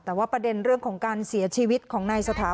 แต่ว่าประเด็นเรื่องของการเสียชีวิตของนายสถา